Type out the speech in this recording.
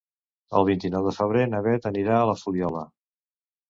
El vint-i-nou de febrer na Beth anirà a la Fuliola.